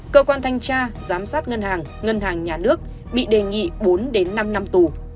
cơ quan thanh tra giám sát ngân hàng ngân hàng nhà nước bị đề nghị bốn năm năm tù